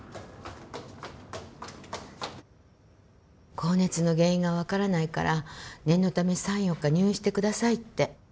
高熱の原因が分からないから念のため３４日入院してくださいって。